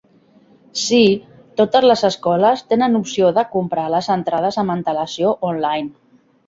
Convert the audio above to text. Sí, totes les escoles tenen opció de comprar les entrades amb antel·lacio online.